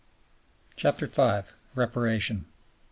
66. CHAPTER V REPARATION I.